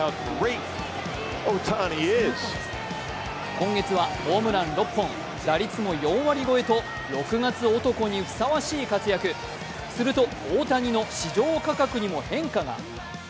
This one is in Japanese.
今月はホームラン６本、打率も４割超えと６月男にふさわしい活躍すると大谷の市場価格にも変化が。